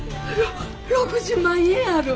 ろ６０万円ある！